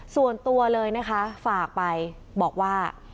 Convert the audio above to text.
ส่วนตัวเลยนะคะฝากไปบอกว่า